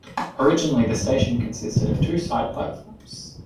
Originally the station consisted of two side platforms.